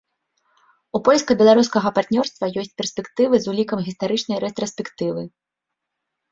У польска-беларускага партнёрства ёсць перспектывы з улікам гістарычнай рэтраспектывы.